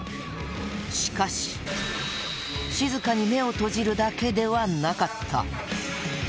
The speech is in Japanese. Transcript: しかし、静かに目を閉じるだけではなかった！